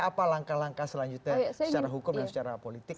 apa langkah langkah selanjutnya secara hukum dan secara politik